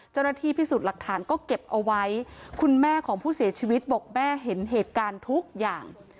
เจ้าหน้าที่พิสูจน์หลักฐานก็เก็บเอาไว้คุณแม่ของผู้เสียชีวิตบอกแม่เห็นเหตุการณ์ทุกอย่าง